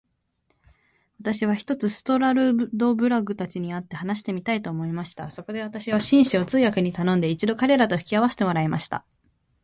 私は、ひとつストラルドブラグたちに会って話してみたいと思いました。そこで私は、紳士を通訳に頼んで、一度彼等と引き合せてもらいました。